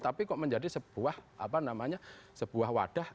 tapi kok menjadi sebuah apa namanya sebuah wadah